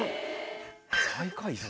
最下位？先。